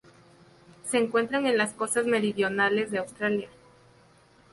Se encuentran en las costas meridionales de Australia.